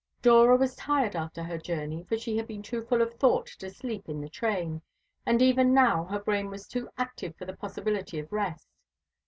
Dora was tired after her journey, for she had been too full of thought to sleep in the train, and even now her brain was too active for the possibility of rest.